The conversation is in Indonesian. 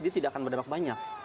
dia tidak akan berdampak banyak